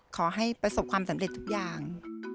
ขอให้ประสบความสำเร็จทุกอย่าง